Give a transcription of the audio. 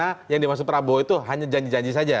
karena yang dimaksud prabowo itu hanya janji janji saja